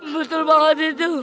betul banget itu